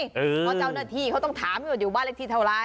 เพราะเจ้าหน้าที่เขาต้องถามอยู่บ้านเลขที่เท่าไร